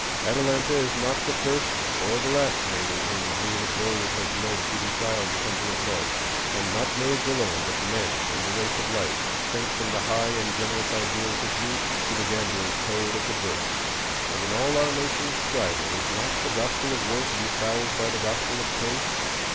Atalanta is not the first or the last maiden whom greed of gold has led to defile the temple of Love; and not maids alone, but men in the race of life, sink from the high and generous ideals of youth to the gambler's code of the Bourse; and in all our Nation's striving is not the Gospel of Work befouled by the Gospel of Pay?